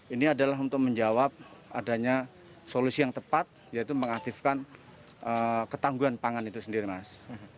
ini adalah untuk menjawab adanya solusi yang tepat yaitu mengaktifkan ketangguhan pangan itu sendiri mas